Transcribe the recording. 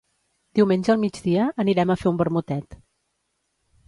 Diumenge al migdia anirem a fer un vermutet